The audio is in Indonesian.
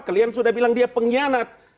kalian sudah bilang dia pengkhianat